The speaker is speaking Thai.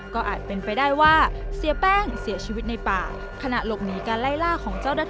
ก็อาจเป็นไปได้ว่าเสียแป้งเสียชีวิตในป่าขณะหลบหนีการไล่ล่าของเจ้าหน้าที่